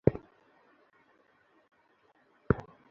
কিন্তু তুমি ভেবো না, হয়তো কয়েকটা বর্ষা, গ্রীষ্ম দেখা হবে না।